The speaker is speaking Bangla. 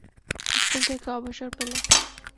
স্কুল থেকে অবসর পেলে।